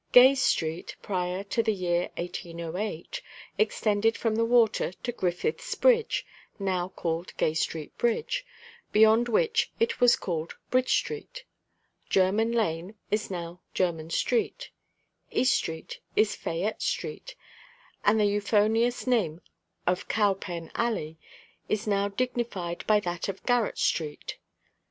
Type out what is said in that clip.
Gay street, prior to the year 1808, extended from the water to Griffith's bridge (now called Gay street bridge), beyond which it was called Bridge street; German lane is now German street; East street is Fayette street, and the euphonious name of Cowpen alley is now dignified by that of Garrett street.